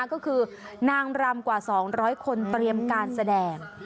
ก็คือนางรำกว่า๒๐๐คนเตรียมการแสดง